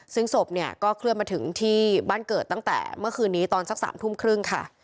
ซึ่งศพเนี่ยก็เคลื่อนมาถึงที่บ้านเกิดตั้งแต่เมื่อคืนนี้ตอนสัก๓ทุ่มครึ่งค่ะ